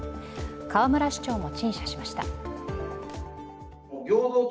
河村市長も陳謝しました。